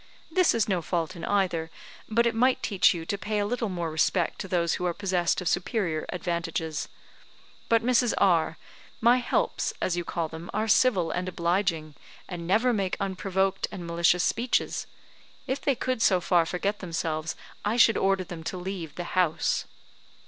This is no fault in either; but it might teach you to pay a little more respect to those who are possessed of superior advantages. But, Mrs. R , my helps, as you call them, are civil and obliging, and never make unprovoked and malicious speeches. If they could so far forget themselves, I should order them to leave the house."